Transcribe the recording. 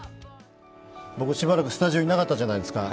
僕、しばらくスタジオにいなかったじゃないですか。